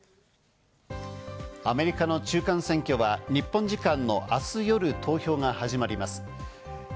アメリカの中間選挙は日本時間の明日夜、投票が始まります。